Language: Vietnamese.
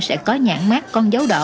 sẽ có nhãn mát con dấu đỏ